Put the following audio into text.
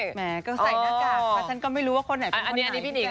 แหมก็ใส่หน้ากากค่ะฉันก็ไม่รู้ว่าคนไหนเป็นคนไหนพี่แบ๊ก